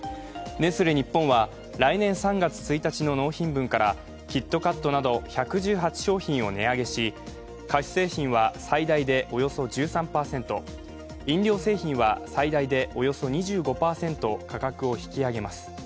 ネスレ日本は来年３月１日の納品分からキットカットなど１１８商品を値上げし、菓子製品は最大でおよそ１３％、飲料製品は最大でおよそ２５％価格を引き上げます。